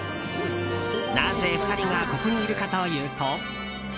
なぜ２人がここにいるかというと。